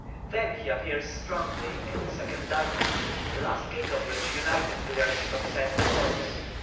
Then he appears strongly in the second dynasty, the last king of which united the worship of Set and Horus.